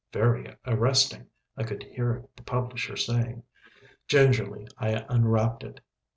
"Very arresting," I could hear the publisher saying. Gingerly I unwrapped it.